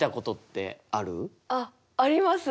あっあります！